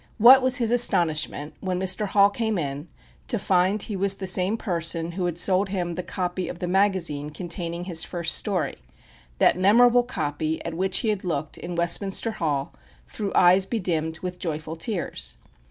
What was his astonishment, when Mr. Hall came in, to find he was the same person who had sold him the copy of the magazine containing his first story that memorable copy at which he had looked, in Westminster Hall, through eyes bedimmed with joyful tears.